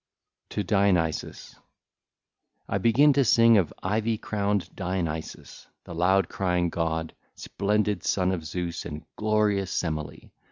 XXVI. TO DIONYSUS (ll. 1 9) I begin to sing of ivy crowned Dionysus, the loud crying god, splendid son of Zeus and glorious Semele.